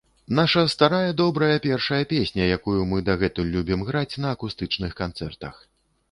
Нашая старая добрая першая песня, якую мы дагэтуль любім граць на акустычных канцэртах.